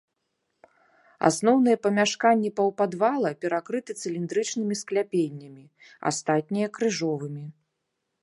Асноўныя памяшканні паўпадвала перакрыты цыліндрычнымі скляпеннямі, астатнія крыжовымі.